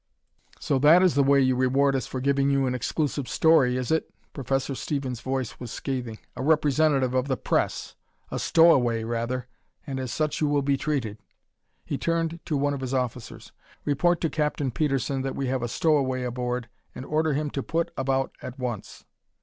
"So that is the way you reward us for giving you an exclusive story, is it?" Professor Stevens' voice was scathing. "A representative of the press! A stowaway, rather and as such you will be treated!" He turned to one of his officers. "Report to Captain Petersen that we have a stowaway aboard and order him to put about at once."